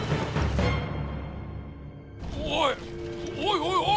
おいおいおいおい！